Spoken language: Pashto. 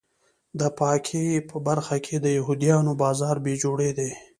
د پاکۍ په برخه کې د یهودیانو بازار بې جوړې دی.